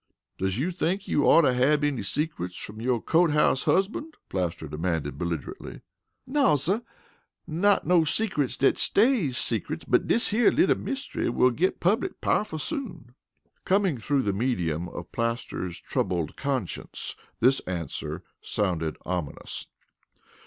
"Does you think you oughter hab any secrets from yo' cote house husbunt?" Plaster demanded belligerently. "Naw, suh. Not no secrets dat stays secrets, but dis here little myst'ry will git public powerful soon." Coming through the medium of Plaster's troubled conscience, this answer sounded ominous.